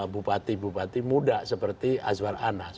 bupati bupati muda seperti azwar anas